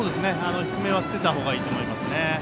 低めは捨てたほうがいいと思います。